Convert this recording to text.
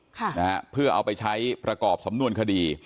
ค่ะนะฮะเพื่อเอาไปใช้ประกอบสำนวนคดี